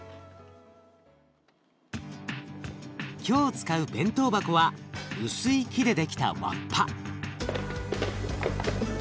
今日使う弁当箱は薄い木で出来たわっぱ。